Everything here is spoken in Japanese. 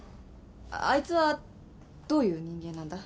あいつはどういう人間なんだ？